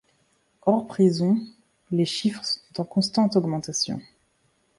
Hors prisons les chiffres sont en constante augmentation.